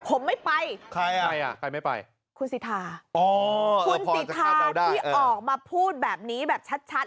ผมไม่ไปใครอ่ะใครไม่ไปคุณสิทธาคุณสิทธาที่ออกมาพูดแบบนี้แบบชัด